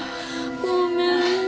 ごめん。